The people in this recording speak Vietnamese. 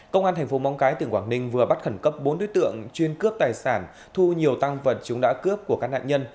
công an thành phố móng cái tỉnh quảng ninh vừa bắt khẩn cấp bốn đối tượng chuyên cướp tài sản thu nhiều tăng vật chúng đã cướp của các nạn nhân